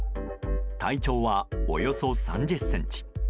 体長はおよそ３０ｃｍ。